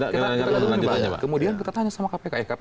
kemudian kita tanya sama kpk